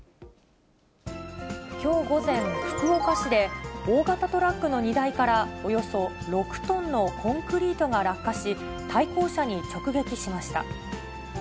きょう午前、福岡市で、大型トラックの荷台からおよそ６トンのコンクリートが落下し、対向車に直撃しました。